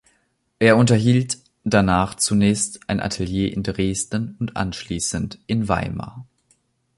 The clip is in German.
Er unterhielt danach zunächst ein Atelier in Dresden und anschließend in Weimar.